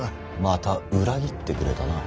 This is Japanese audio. また裏切ってくれたな。